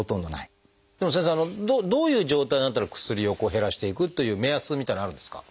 でも先生どういう状態になったら薬を減らしていくという目安みたいなのはあるんですか？